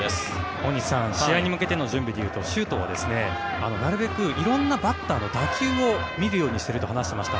大西さん試合に向けての準備でいうと周東は色んなバッターの打球を見るようにしていると話していました。